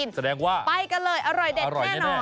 แสดงว่าอร่อยแน่อร่อยแน่ไปกันเลยอร่อยเด็ดแน่